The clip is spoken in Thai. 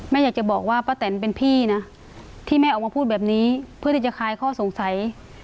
อยากจะบอกว่าป้าแตนเป็นพี่นะที่แม่ออกมาพูดแบบนี้เพื่อที่จะคลายข้อสงสัย